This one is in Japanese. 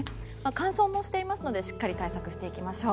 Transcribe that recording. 乾燥もしていますのでしっかり対策していきましょう。